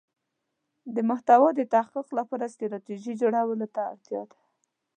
د محتوا د تحقق لپاره ستراتیژی جوړولو ته اړتیا ده.